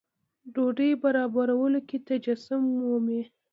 ډوډۍ برابرولو کې تجسم مومي.